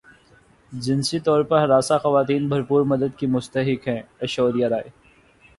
جنسی طور پر ہراساں خواتین بھرپور مدد کی مستحق ہیں ایشوریا رائے